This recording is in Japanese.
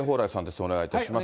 お願いいたします。